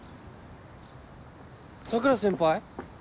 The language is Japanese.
・桜先輩？